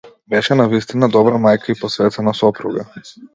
Беше навистина добра мајка и посветена сопруга.